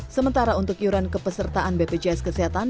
sementara untuk iuran kepesertaan bpjs kesehatan